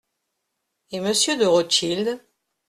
Et Monsieur de Rothschild…